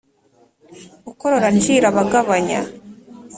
Ukorora acira aba agabanya.